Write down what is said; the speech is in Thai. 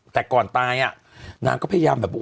แต่ก่อนตายนางก็พยายาม